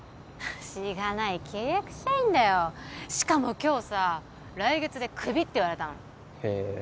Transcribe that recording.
しがない契約社員だよしかも今日さ来月でクビって言われたのへえ